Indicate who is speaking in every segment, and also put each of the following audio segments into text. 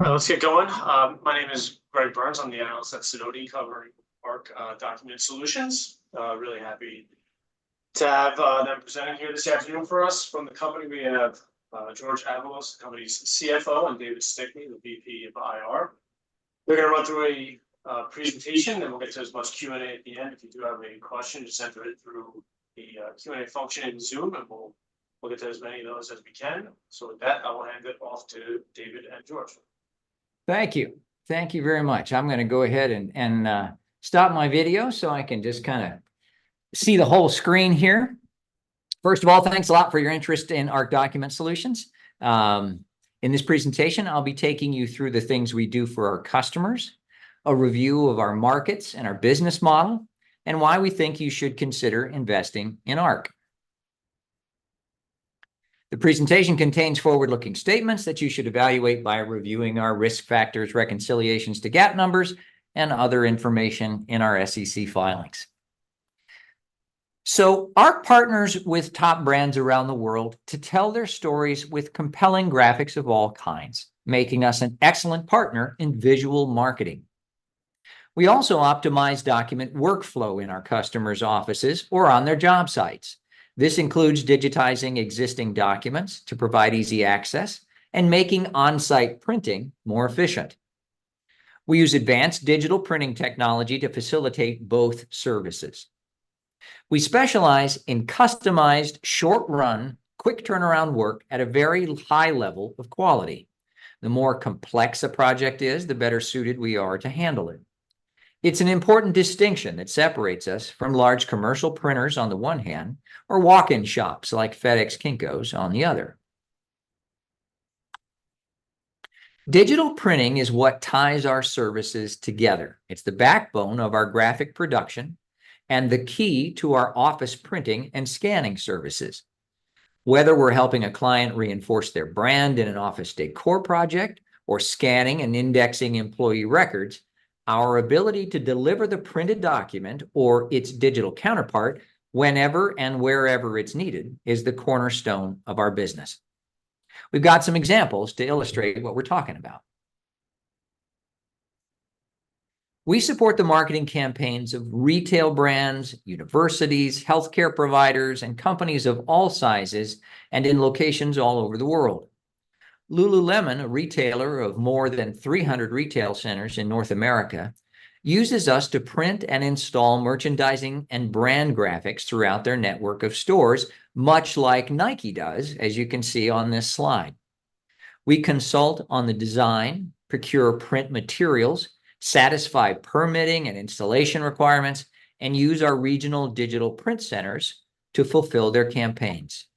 Speaker 1: Let's get going. My name is Greg Burns. I'm the analyst at Sidoti, covering ARC Document Solutions. Really happy to have them presenting here this afternoon for us. From the company, we have Jorge Avalos, the company's CFO, and David Stickney, the VP of IR. We're going to run through a presentation, and we'll get to as much Q&A at the end. If you do have any questions, just enter it through the Q&A function in Zoom, and we'll get to as many of those as we can. So with that, I will hand it off to David and George.
Speaker 2: Thank you. Thank you very much. I'm going to go ahead and stop my video so I can just kind of see the whole screen here. First of all, thanks a lot for your interest in ARC Document Solutions. In this presentation, I'll be taking you through the things we do for our customers, a review of our markets and our business model, and why we think you should consider investing in ARC. The presentation contains forward-looking statements that you should evaluate by reviewing our risk factors, reconciliations to GAAP numbers, and other information in our SEC filings. ARC partners with top brands around the world to tell their stories with compelling graphics of all kinds, making us an excellent partner in visual marketing. We also optimize document workflow in our customers' offices or on their job sites. This includes digitizing existing documents to provide easy access and making on-site printing more efficient. We use advanced digital printing technology to facilitate both services. We specialize in customized short-run, quick turnaround work at a very high level of quality. The more complex a project is, the better suited we are to handle it. It's an important distinction that separates us from large commercial printers on the one hand, or walk-in shops like FedEx Kinko's on the other. Digital printing is what ties our services together. It's the backbone of our graphic production and the key to our office printing and scanning services. Whether we're helping a client reinforce their brand in an office decor project or scanning and indexing employee records, our ability to deliver the printed document or its digital counterpart whenever and wherever it's needed is the cornerstone of our business. We've got some examples to illustrate what we're talking about. We support the marketing campaigns of retail brands, universities, healthcare providers, and companies of all sizes and in locations all over the world. Lululemon, a retailer of more than 300 retail centers in North America, uses us to print and install merchandising and brand graphics throughout their network of stores, much like Nike does, as you can see on this slide. We consult on the design, procure print materials, satisfy permitting and installation requirements, and use our regional digital print centers to fulfill their campaigns.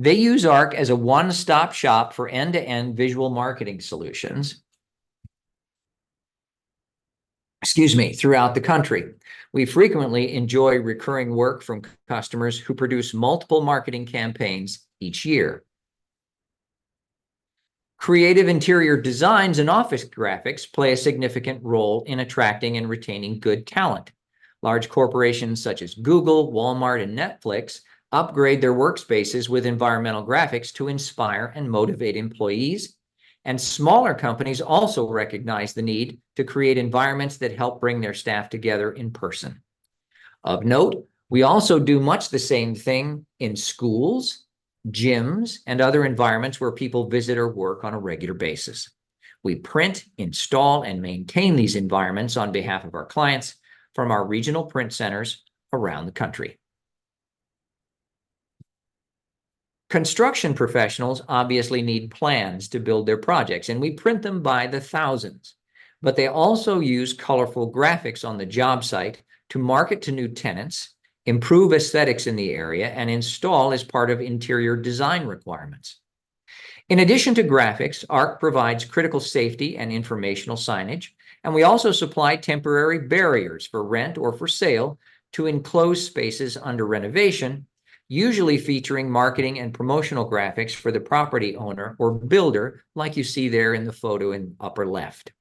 Speaker 2: They use ARC as a one-stop shop for end-to-end visual marketing solutions throughout the country. We frequently enjoy recurring work from customers who produce multiple marketing campaigns each year. Creative interior designs and office graphics play a significant role in attracting and retaining good talent. Large corporations such as Google, Walmart, and Netflix upgrade their workspaces with environmental graphics to inspire and motivate employees, and smaller companies also recognize the need to create environments that help bring their staff together in person. Of note, we also do much the same thing in schools, gyms, and other environments where people visit or work on a regular basis. We print, install, and maintain these environments on behalf of our clients from our regional print centers around the country. Construction professionals obviously need plans to build their projects, and we print them by the thousands. But they also use colorful graphics on the job site to market to new tenants, improve aesthetics in the area, and install as part of interior design requirements. In addition to graphics, ARC provides critical safety and informational signage, and we also supply temporary barriers for rent or for sale to enclose spaces under renovation, usually featuring marketing and promotional graphics for the property owner or builder, like you see there in the photo in the upper left.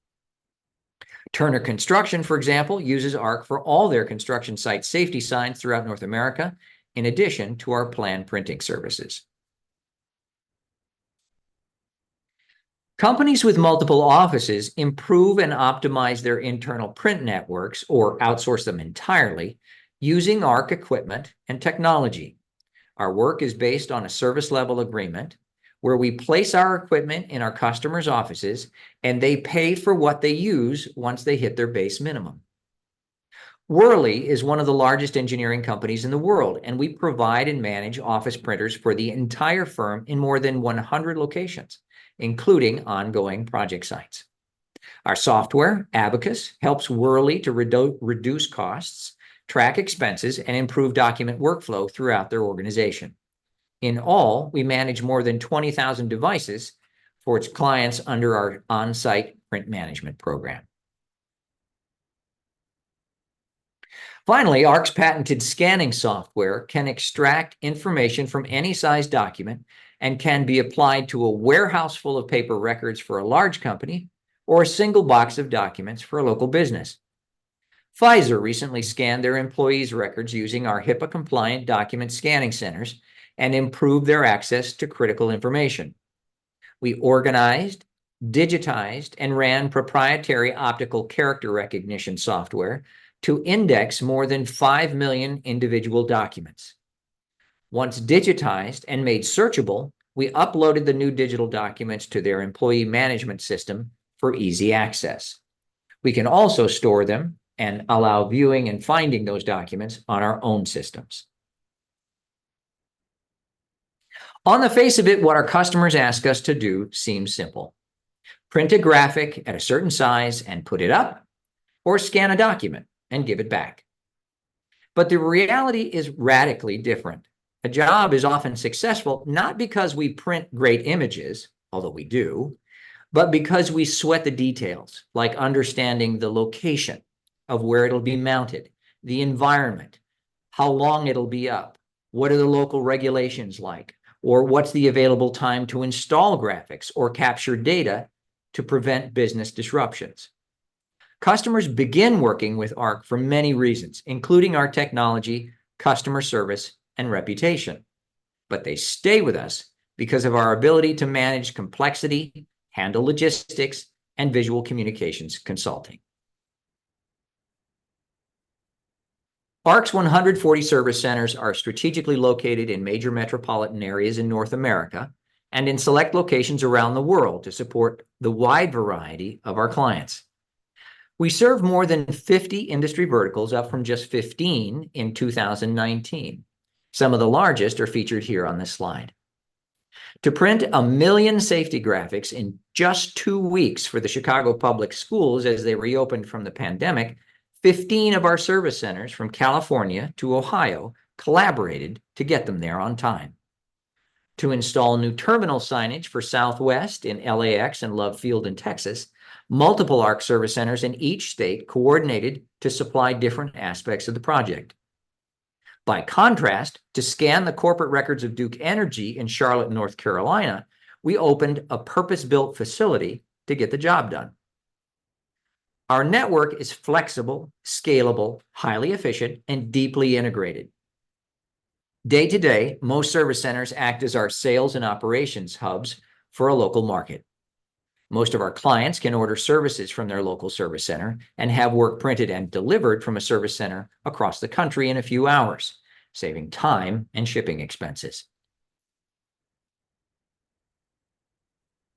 Speaker 2: Turner Construction, for example, uses ARC for all their construction site safety signs throughout North America, in addition to our plan printing services. Companies with multiple offices improve and optimize their internal print networks or outsource them entirely using ARC equipment and technology. Our work is based on a service-level agreement where we place our equipment in our customers' offices, and they pay for what they use once they hit their base minimum. Worley is one of the largest engineering companies in the world, and we provide and manage office printers for the entire firm in more than 100 locations, including ongoing project sites. Our software, Abacus, helps Worley to reduce costs, track expenses, and improve document workflow throughout their organization. In all, we manage more than 20,000 devices for its clients under our on-site print management program. Finally, ARC's patented scanning software can extract information from any size document and can be applied to a warehouse full of paper records for a large company or a single box of documents for a local business. Pfizer recently scanned their employees' records using our HIPAA-compliant document scanning centers and improved their access to critical information. We organized, digitized, and ran proprietary optical character recognition software to index more than 5 million individual documents. Once digitized and made searchable, we uploaded the new digital documents to their employee management system for easy access. We can also store them and allow viewing and finding those documents on our own systems. On the face of it, what our customers ask us to do seems simple: print a graphic at a certain size and put it up, or scan a document and give it back. But the reality is radically different. A job is often successful not because we print great images, although we do, but because we sweat the details, like understanding the location of where it'll be mounted, the environment, how long it'll be up, what are the local regulations like, or what's the available time to install graphics or capture data to prevent business disruptions. Customers begin working with ARC for many reasons, including our technology, customer service, and reputation. But they stay with us because of our ability to manage complexity, handle logistics, and visual communications consulting. ARC's 140 service centers are strategically located in major metropolitan areas in North America and in select locations around the world to support the wide variety of our clients. We serve more than 50 industry verticals, up from just 15 in 2019. Some of the largest are featured here on this slide. To print 1 million safety graphics in just 2 weeks for the Chicago Public Schools as they reopened from the pandemic, 15 of our service centers from California to Ohio collaborated to get them there on time. To install new terminal signage for Southwest in LAX and Love Field in Texas, multiple ARC service centers in each state coordinated to supply different aspects of the project. By contrast, to scan the corporate records of Duke Energy in Charlotte, North Carolina, we opened a purpose-built facility to get the job done. Our network is flexible, scalable, highly efficient, and deeply integrated. Day to day, most service centers act as our sales and operations hubs for a local market. Most of our clients can order services from their local service center and have work printed and delivered from a service center across the country in a few hours, saving time and shipping expenses.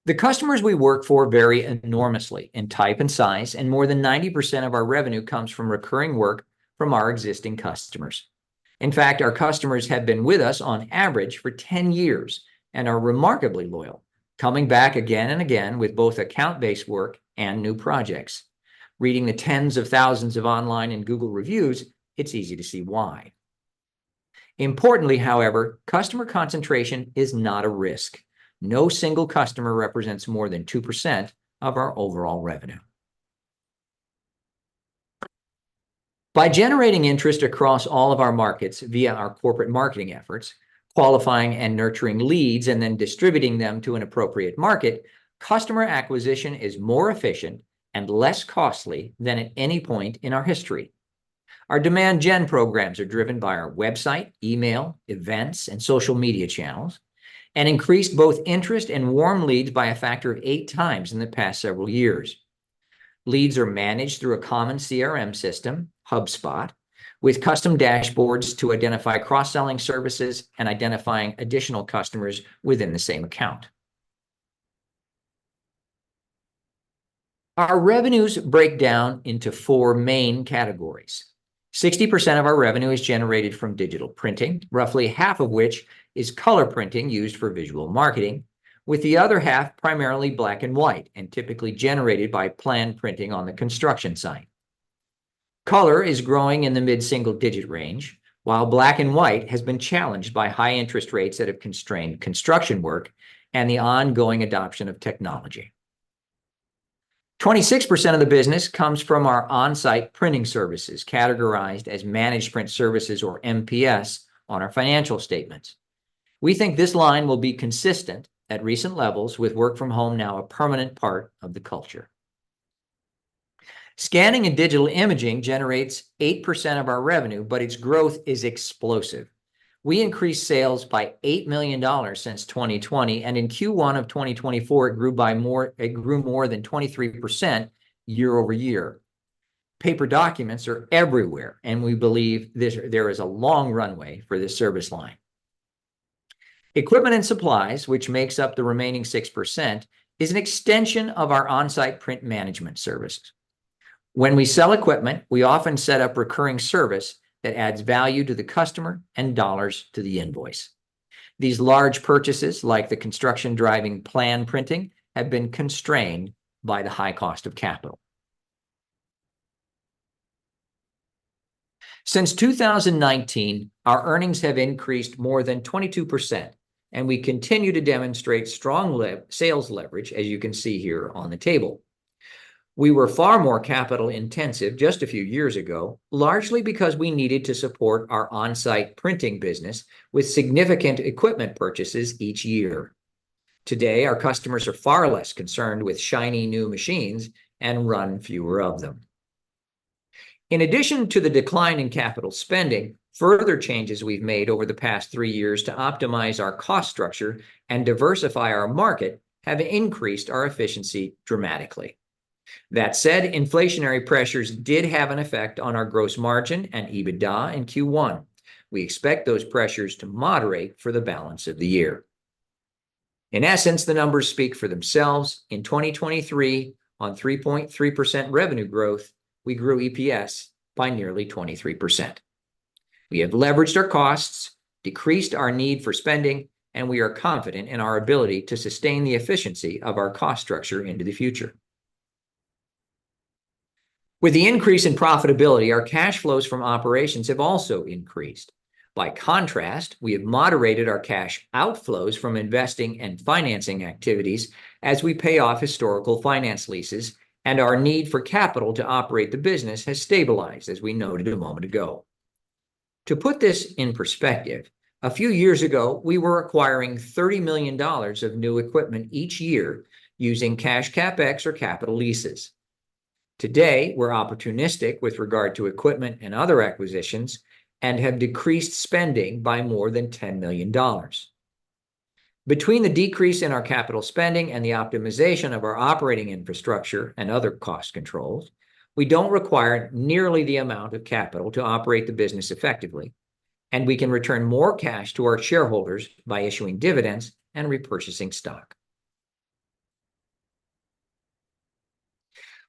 Speaker 2: The customers we work for vary enormously in type and size, and more than 90% of our revenue comes from recurring work from our existing customers. In fact, our customers have been with us on average for 10 years and are remarkably loyal, coming back again and again with both account-based work and new projects. Reading the tens of thousands of online and Google reviews, it's easy to see why. Importantly, however, customer concentration is not a risk. No single customer represents more than 2% of our overall revenue. By generating interest across all of our markets via our corporate marketing efforts, qualifying and nurturing leads, and then distributing them to an appropriate market, customer acquisition is more efficient and less costly than at any point in our history. Our demand gen programs are driven by our website, email, events, and social media channels and increase both interest and warm leads by a factor of 8 times in the past several years. Leads are managed through a common CRM system, HubSpot, with custom dashboards to identify cross-selling services and identifying additional customers within the same account. Our revenues break down into four main categories. 60% of our revenue is generated from digital printing, roughly half of which is color printing used for visual marketing, with the other half primarily black and white and typically generated by plan printing on the construction site. Color is growing in the mid-single digit range, while black and white has been challenged by high interest rates that have constrained construction work and the ongoing adoption of technology. 26% of the business comes from our on-site printing services, categorized as managed print services, or MPS, on our financial statements. We think this line will be consistent at recent levels, with work from home now a permanent part of the culture. Scanning and digital imaging generates 8% of our revenue, but its growth is explosive. We increased sales by $8 million since 2020, and in Q1 of 2024, it grew by more than 23% year-over-year. Paper documents are everywhere, and we believe there is a long runway for this service line. Equipment and supplies, which makes up the remaining 6%, is an extension of our on-site print management services. When we sell equipment, we often set up recurring service that adds value to the customer and dollars to the invoice. These large purchases, like the construction-driving plan printing, have been constrained by the high cost of capital. Since 2019, our earnings have increased more than 22%, and we continue to demonstrate strong sales leverage, as you can see here on the table. We were far more capital-intensive just a few years ago, largely because we needed to support our on-site printing business with significant equipment purchases each year. Today, our customers are far less concerned with shiny new machines and run fewer of them. In addition to the decline in capital spending, further changes we've made over the past three years to optimize our cost structure and diversify our market have increased our efficiency dramatically. That said, inflationary pressures did have an effect on our gross margin and EBITDA in Q1. We expect those pressures to moderate for the balance of the year. In essence, the numbers speak for themselves. In 2023, on 3.3% revenue growth, we grew EPS by nearly 23%. We have leveraged our costs, decreased our need for spending, and we are confident in our ability to sustain the efficiency of our cost structure into the future. With the increase in profitability, our cash flows from operations have also increased. By contrast, we have moderated our cash outflows from investing and financing activities as we pay off historical finance leases, and our need for capital to operate the business has stabilized, as we noted a moment ago. To put this in perspective, a few years ago, we were acquiring $30 million of new equipment each year using cash CapEx or capital leases. Today, we're opportunistic with regard to equipment and other acquisitions and have decreased spending by more than $10 million. Between the decrease in our capital spending and the optimization of our operating infrastructure and other cost controls, we don't require nearly the amount of capital to operate the business effectively, and we can return more cash to our shareholders by issuing dividends and repurchasing stock.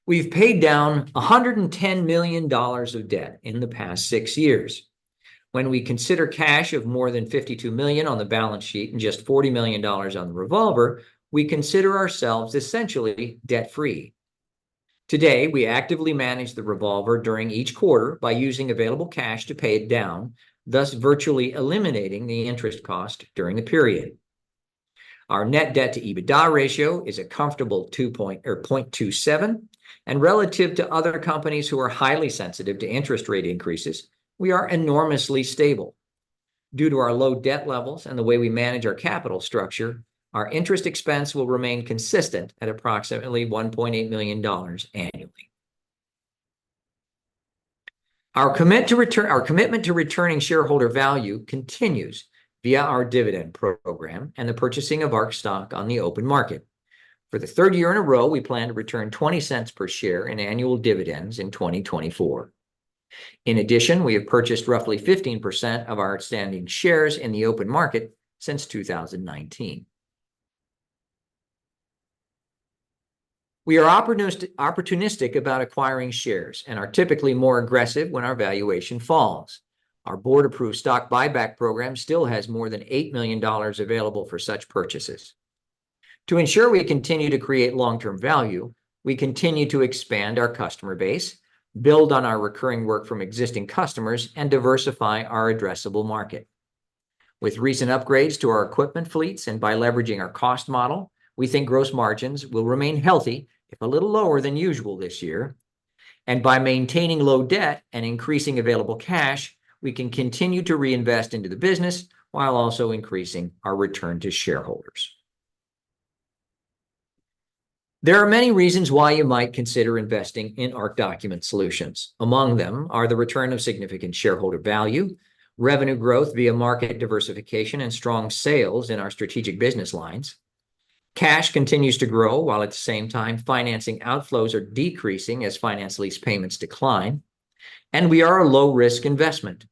Speaker 2: We've paid down $110 million of debt in the past six years. When we consider cash of more than $52 million on the balance sheet and just $40 million on the revolver, we consider ourselves essentially debt-free. Today, we actively manage the revolver during each quarter by using available cash to pay it down, thus virtually eliminating the interest cost during the period. Our net debt-to-EBITDA ratio is a comfortable 0.27, and relative to other companies who are highly sensitive to interest rate increases, we are enormously stable. Due to our low debt levels and the way we manage our capital structure, our interest expense will remain consistent at approximately $1.8 million annually. Our commitment to returning shareholder value continues via our dividend program and the purchasing of ARC stock on the open market. For the third year in a row, we plan to return $0.20 per share in annual dividends in 2024. In addition, we have purchased roughly 15% of our outstanding shares in the open market since 2019. We are opportunistic about acquiring shares and are typically more aggressive when our valuation falls. Our board-approved stock buyback program still has more than $8 million available for such purchases. To ensure we continue to create long-term value, we continue to expand our customer base, build on our recurring work from existing customers, and diversify our addressable market. With recent upgrades to our equipment fleets and by leveraging our cost model, we think gross margins will remain healthy, if a little lower than usual this year. And by maintaining low debt and increasing available cash, we can continue to reinvest into the business while also increasing our return to shareholders. There are many reasons why you might consider investing in ARC Document Solutions. Among them are the return of significant shareholder value, revenue growth via market diversification, and strong sales in our strategic business lines. Cash continues to grow while at the same time financing outflows are decreasing as finance lease payments decline, and we are a low-risk investment.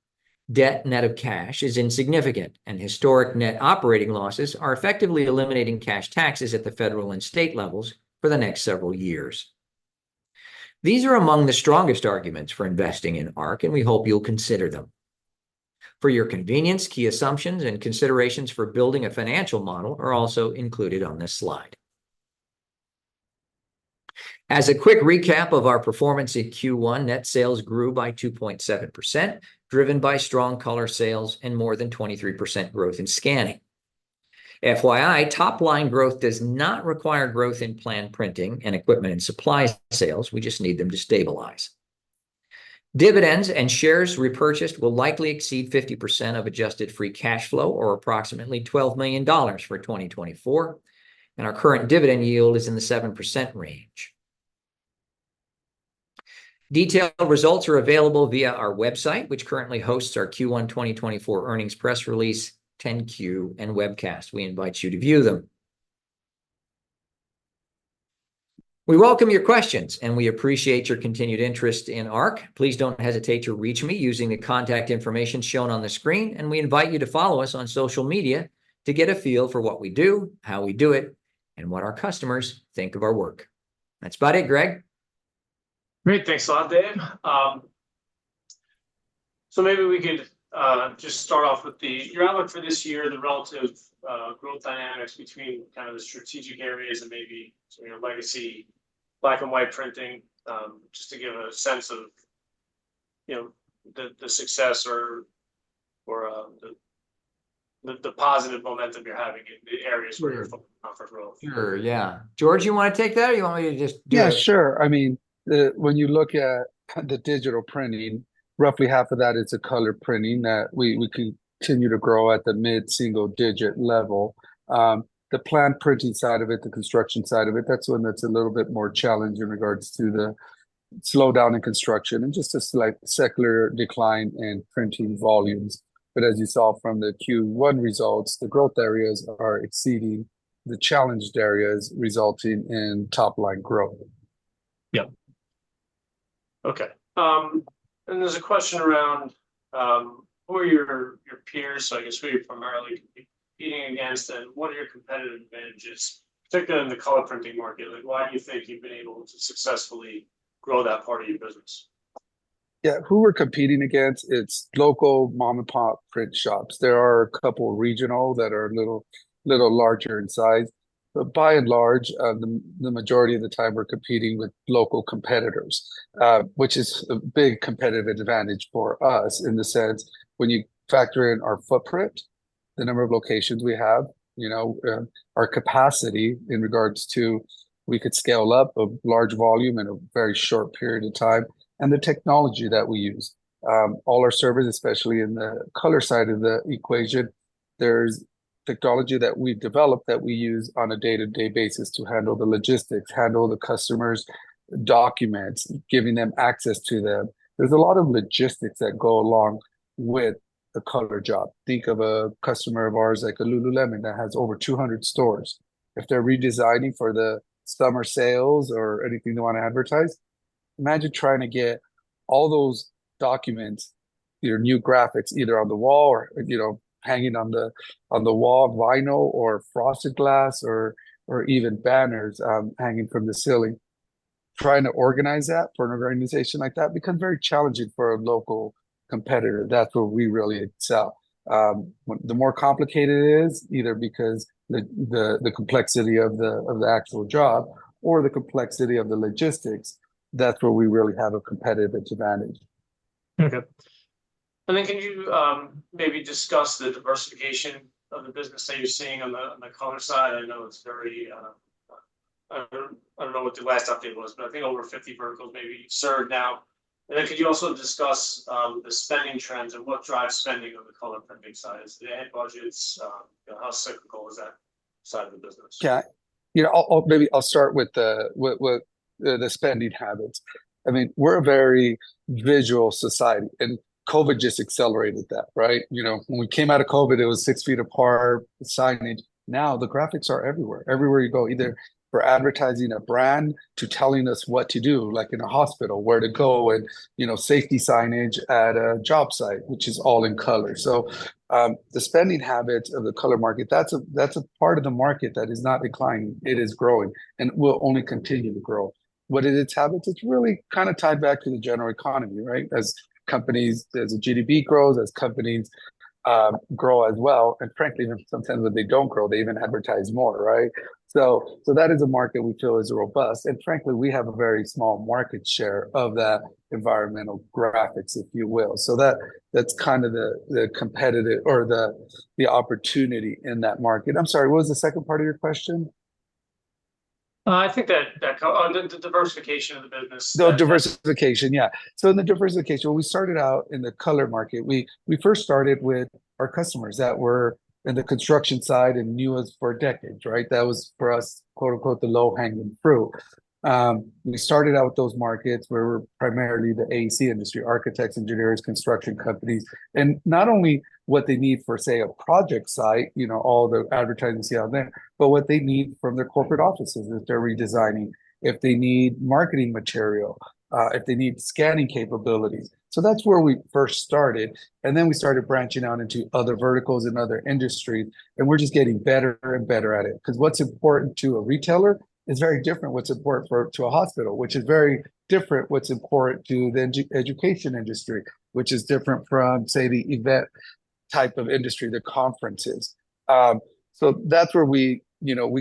Speaker 2: Debt net of cash is insignificant, and historic net operating losses are effectively eliminating cash taxes at the federal and state levels for the next several years. These are among the strongest arguments for investing in ARC, and we hope you'll consider them. For your convenience, key assumptions and considerations for building a financial model are also included on this slide. As a quick recap of our performance in Q1, net sales grew by 2.7%, driven by strong color sales and more than 23% growth in scanning. FYI, top-line growth does not require growth in planned printing and equipment and supply sales. We just need them to stabilize. Dividends and shares repurchased will likely exceed 50% of adjusted free cash flow, or approximately $12 million for 2024, and our current dividend yield is in the 7% range. Detailed results are available via our website, which currently hosts our Q1 2024 earnings press release, 10-Q, and webcast. We invite you to view them. We welcome your questions, and we appreciate your continued interest in ARC. Please don't hesitate to reach me using the contact information shown on the screen, and we invite you to follow us on social media to get a feel for what we do, how we do it, and what our customers think of our work. That's about it, Greg. Great.
Speaker 1: Thanks a lot, Dave. So maybe we could just start off with your outlook for this year, the relative growth dynamics between kind of the strategic areas and maybe your legacy black and white printing, just to give a sense of the success or the positive momentum you're having in the areas where you're focusing on for growth.
Speaker 2: Sure. Yeah. Jorge, do you want to take that, or do you want me to just do it?
Speaker 3: Yeah, sure. I mean, when you look at the digital printing, roughly half of that is color printing that we continue to grow at the mid-single digit level. The plan printing side of it, the construction side of it, that's one that's a little bit more challenging in regards to the slowdown in construction and just a slight secular decline in printing volumes. But as you saw from the Q1 results, the growth areas are exceeding the challenged areas, resulting in top-line growth.
Speaker 1: Yep. Okay. And there's a question around who are your peers, so I guess who are you primarily competing against, and what are your competitive advantages, particularly in the color printing market? Why do you think you've been able to successfully grow that part of your business?
Speaker 3: Yeah. Who we're competing against? It's local mom-and-pop print shops. There are a couple regional that are a little larger in size. But by and large, the majority of the time we're competing with local competitors, which is a big competitive advantage for us in the sense when you factor in our footprint, the number of locations we have, our capacity in regards to we could scale up a large volume in a very short period of time, and the technology that we use. All our servers, especially in the color side of the equation, there's technology that we've developed that we use on a day-to-day basis to handle the logistics, handle the customers' documents, giving them access to them. There's a lot of logistics that go along with the color job. Think of a customer of ours, like a Lululemon, that has over 200 stores. If they're redesigning for the summer sales or anything they want to advertise, imagine trying to get all those documents, your new graphics, either on the wall or hanging on the wall, vinyl or frosted glass, or even banners hanging from the ceiling. Trying to organize that for an organization like that becomes very challenging for a local competitor. That's where we really excel. The more complicated it is, either because of the complexity of the actual job or the complexity of the logistics, that's where we really have a competitive advantage.
Speaker 1: Okay. And then can you maybe discuss the diversification of the business that you're seeing on the color side? I know it's very, I don't know what the last update was, but I think over 50 verticals maybe you've served now. And then could you also discuss the spending trends and what drives spending on the color printing side? Is it the ad budgets? How cyclical is that side of the business?
Speaker 3: Yeah. Maybe I'll start with the spending habits. I mean, we're a very visual society, and COVID just accelerated that, right? When we came out of COVID, it was six feet of hard signage. Now the graphics are everywhere. Everywhere you go, either for advertising a brand to telling us what to do, like in a hospital, where to go, and safety signage at a job site, which is all in color. So the spending habits of the color market, that's a part of the market that is not declining. It is growing and will only continue to grow. What are its habits? It's really kind of tied back to the general economy, right? As companies, as the GDP grows, as companies grow as well. And frankly, sometimes when they don't grow, they even advertise more, right? So that is a market we feel is robust. And frankly, we have a very small market share of that environmental graphics, if you will. So that's kind of the competitive or the opportunity in that market. I'm sorry, what was the second part of your question?
Speaker 2: I think that the diversification of the business.
Speaker 3: The diversification, yeah. So in the diversification, when we started out in the color market, we first started with our customers that were in the construction side and knew us for decades, right? That was for us, quote unquote, the low-hanging fruit. We started out with those markets where we're primarily the AEC industry, architects, engineers, construction companies, and not only what they need for, say, a project site, all the advertising and see on there, but what they need from their corporate offices if they're redesigning, if they need marketing material, if they need scanning capabilities. So that's where we first started. And then we started branching out into other verticals and other industries, and we're just getting better and better at it. Because what's important to a retailer is very different from what's important to a hospital, which is very different from what's important to the education industry, which is different from, say, the event type of industry, the conferences. So that's where we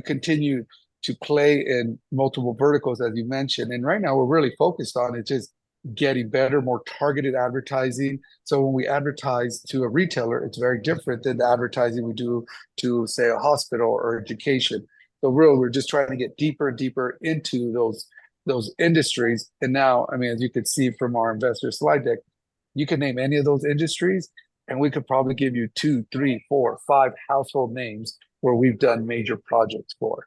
Speaker 3: continue to play in multiple verticals, as you mentioned. And right now, we're really focused on it just getting better, more targeted advertising. So when we advertise to a retailer, it's very different than the advertising we do to, say, a hospital or education. So really, we're just trying to get deeper and deeper into those industries. And now, I mean, as you could see from our investor slide deck, you can name any of those industries, and we could probably give you two, three, four, five household names where we've done major projects for.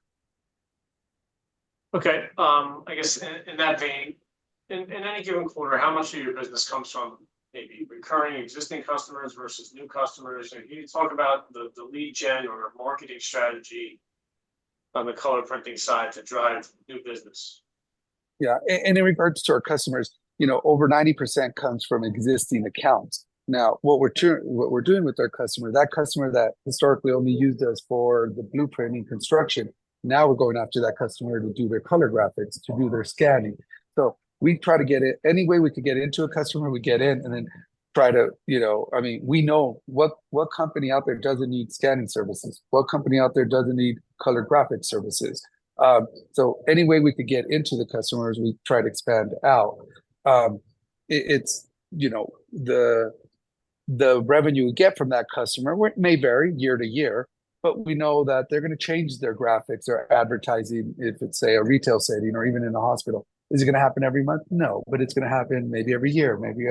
Speaker 1: Okay. I guess in that vein, in any given quarter, how much of your business comes from maybe recurring existing customers versus new customers? Can you talk about the lead gen or marketing strategy on the color printing side to drive new business?
Speaker 2: Yeah. In regards to our customers, over 90% comes from existing accounts. Now, what we're doing with our customer, that customer that historically only used us for the blueprinting construction, now we're going after that customer to do their color graphics, to do their scanning. So we try to get it any way we could get into a customer, we get in and then try to, I mean, we know what company out there doesn't need scanning services, what company out there doesn't need color graphic services. So any way we could get into the customers, we try to expand out. The revenue we get from that customer may vary year to year, but we know that they're going to change their graphics, their advertising, if it's, say, a retail setting or even in a hospital. Is it going to happen every month? No, but it's going to happen maybe every year, maybe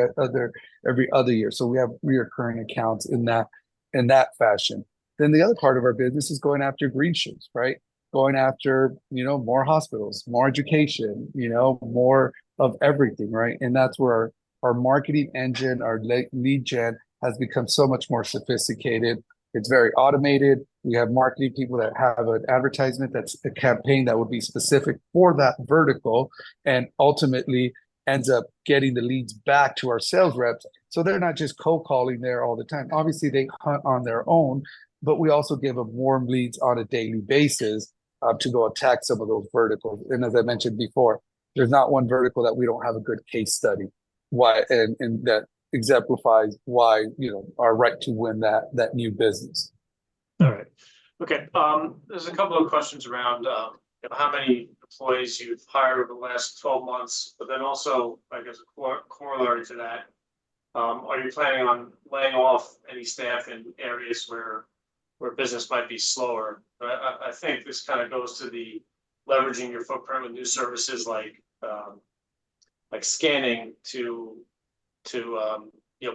Speaker 2: every other year. So we have recurring accounts in that fashion. Then the other part of our business is going after green shoots, right? Going after more hospitals, more education, more of everything, right? And that's where our marketing engine, our lead gen has become so much more sophisticated. It's very automated. We have marketing people that have an advertisement that's a campaign that would be specific for that vertical and ultimately ends up getting the leads back to our sales reps. So they're not just cold calling there all the time. Obviously, they hunt on their own, but we also give them warm leads on a daily basis to go attack some of those verticals. And as I mentioned before, there's not one vertical that we don't have a good case study in that exemplifies our right to win that new business.
Speaker 1: All right. Okay. There's a couple of questions around how many employees you've hired over the last 12 months, but then also, I guess, corollary to that, are you planning on laying off any staff in areas where business might be slower? I think this kind of goes to the leveraging your footprint with new services like scanning to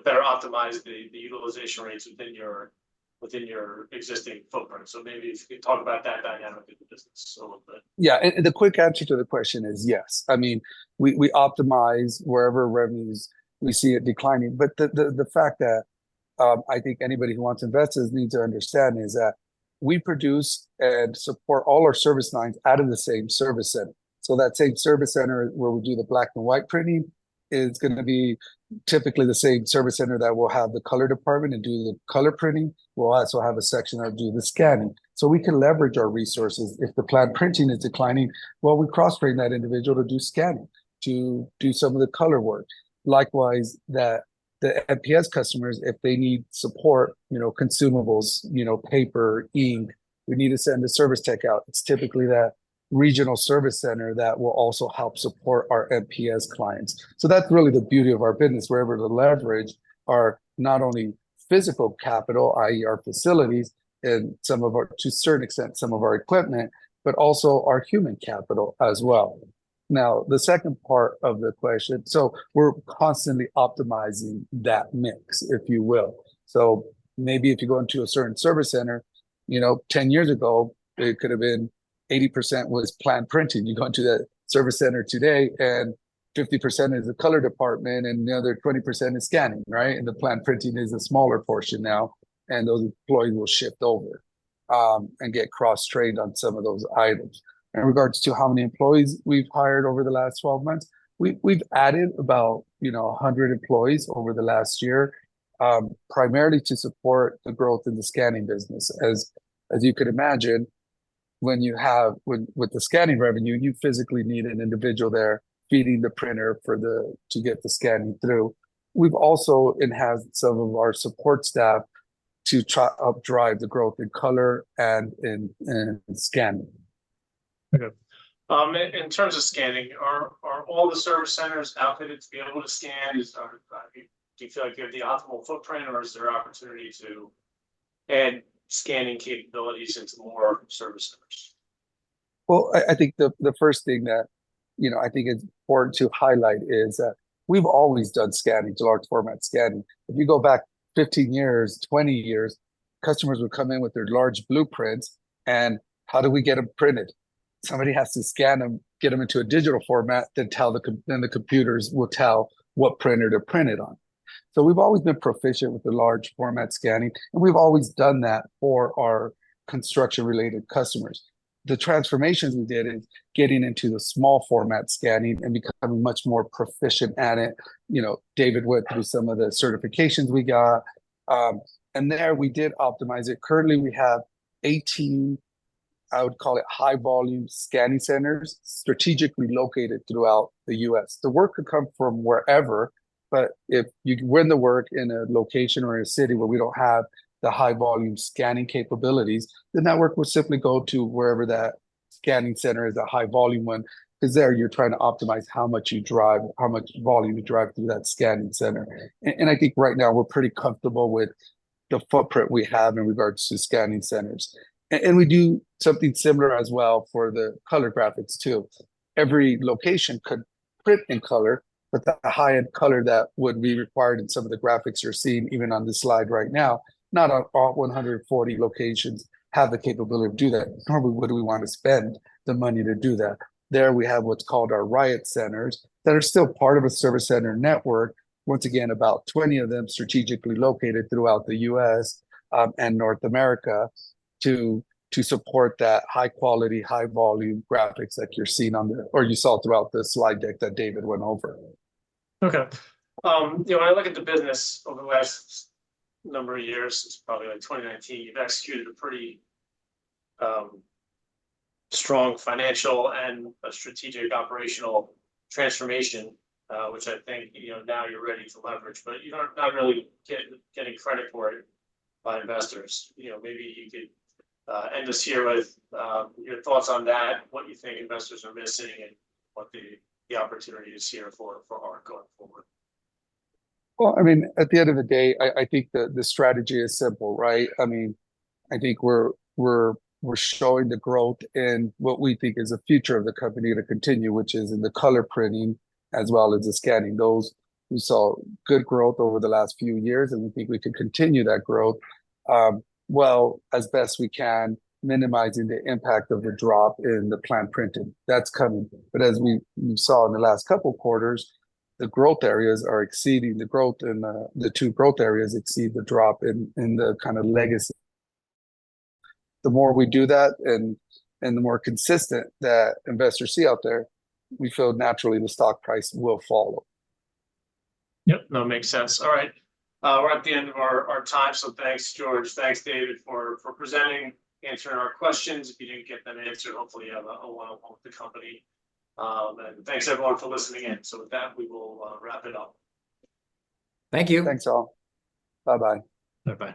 Speaker 1: better optimize the utilization rates within your existing footprint. So maybe if you could talk about that dynamic of the business a little bit.
Speaker 2: Yeah. And the quick answer to the question is yes. I mean, we optimize wherever revenues we see it declining. But the fact that I think anybody who wants to invest needs to understand is that we produce and support all our service lines out of the same service center. So that same service center where we do the black and white printing is going to be typically the same service center that will have the color department and do the color printing. We'll also have a section that will do the scanning. So we can leverage our resources. If the plan printing is declining, well, we cross-train that individual to do scanning, to do some of the color work. Likewise, the MPS customers, if they need support, consumables, paper, ink, we need to send a service tech out. It's typically that regional service center that will also help support our MPS clients. So that's really the beauty of our business, where we're able to leverage our not only physical capital, i.e., our facilities and to a certain extent, some of our equipment, but also our human capital as well. Now, the second part of the question, so we're constantly optimizing that mix, if you will. So maybe if you go into a certain service center, 10 years ago, it could have been 80% was planned printing. You go into the service center today, and 50% is the color department, and the other 20% is scanning, right? And the planned printing is a smaller portion now, and those employees will shift over and get cross-trained on some of those items. In regards to how many employees we've hired over the last 12 months, we've added about 100 employees over the last year, primarily to support the growth in the scanning business. As you could imagine, when you have with the scanning revenue, you physically need an individual there feeding the printer to get the scanning through. We've also enhanced some of our support staff to updrive the growth in color and in scanning.
Speaker 1: Okay. In terms of scanning, are all the service centers outfitted to be able to scan? Do you feel like you have the optimal footprint, or is there an opportunity to add scanning capabilities into more service centers?
Speaker 2: Well, I think the first thing that I think is important to highlight is that we've always done scanning to large format scanning. If you go back 15 years, 20 years, customers would come in with their large blueprints, and how do we get them printed? Somebody has to scan them, get them into a digital format, then the computers will tell what printer to print it on. So we've always been proficient with the large format scanning, and we've always done that for our construction-related customers. The transformations we did is getting into the small format scanning and becoming much more proficient at it, David went through some of the certifications we got. There we did optimize it. Currently, we have 18, I would call it high-volume scanning centers, strategically located throughout the U.S. The work could come from wherever, but if you win the work in a location or a city where we don't have the high-volume scanning capabilities, the network will simply go to wherever that scanning center is, a high-volume one, because there you're trying to optimize how much you drive, how much volume you drive through that scanning center. I think right now we're pretty comfortable with the footprint we have in regards to scanning centers. We do something similar as well for the color graphics too. Every location could print in color, but the high-end color that would be required in some of the graphics you're seeing, even on this slide right now, not all 140 locations have the capability to do that. Normally, would we want to spend the money to do that? There we have what's called our Riot centers that are still part of a service center network, once again, about 20 of them strategically located throughout the U.S. and North America to support that high-quality, high-volume graphics that you're seeing on the or you saw throughout the slide deck that David went over.
Speaker 1: Okay. When I look at the business over the last number of years, it's probably like 2019, you've executed a pretty strong financial and strategic operational transformation, which I think now you're ready to leverage, but you're not really getting credit for it by investors. Maybe you could end us here with your thoughts on that, what you think investors are missing and what the opportunity is here for going forward.
Speaker 3: Well, I mean, at the end of the day, I think the strategy is simple, right? I mean, I think we're showing the growth in what we think is the future of the company to continue, which is in the color printing as well as the scanning. We saw good growth over the last few years, and we think we could continue that growth well as best we can, minimizing the impact of the drop in the plan printing. That's coming. But as we saw in the last couple of quarters, the growth areas are exceeding the growth, and the two growth areas exceed the drop in the kind of legacy. The more we do that and the more consistent that investors see out there, we feel naturally the stock price will follow.
Speaker 1: Yep. That makes sense. All right. We're at the end of our time. So thanks, Jorge. Thanks, David, for presenting, answering our questions. If you didn't get them answered, hopefully you have a one-on-one with the company. And thanks, everyone, for listening in. So with that, we will wrap it up.
Speaker 2: Thank you.
Speaker 3: Thanks, all.
Speaker 1: Bye-bye. Bye-bye.